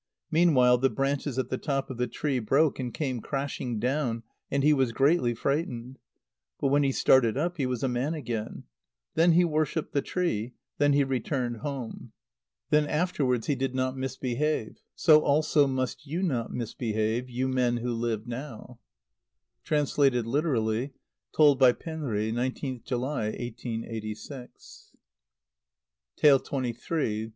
Meanwhile the branches at the top of the tree broke, and came crashing down, and he was greatly frightened. But when he started up, he was a man again. Then he worshipped the tree. Then he returned home. Then afterwards he did not misbehave. So also must you not misbehave, you men who live now! (Translated literally. Told by Penri, 19th July, 1886.) [C] An onomatopœia for the bark of the fox. xxiii.